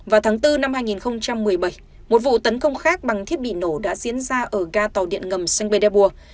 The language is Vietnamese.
vào tháng bốn năm hai nghìn một mươi bảy một vụ tấn công khác bằng thiết bị nổ đã diễn ra ở ga tàu điện ngầm saint peterburg